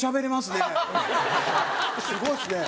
すごいですね。